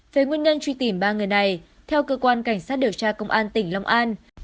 về nguyên nhân truy tìm ba người này theo cơ quan cảnh sát điều tra công an tỉnh long an